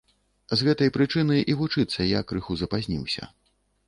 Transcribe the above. З гэтай прычыны і вучыцца я крыху запазніўся.